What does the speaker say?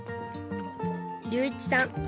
隆一さん